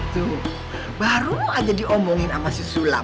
tuh baru aja diomongin sama si sulam